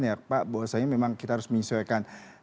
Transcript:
ya pak bahwasanya memang kita harus menyesuaikan